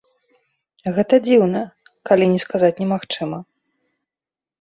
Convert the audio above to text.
Гэта дзіўна, калі не сказаць немагчыма.